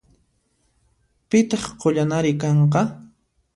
Pitaq qullanari kanqa?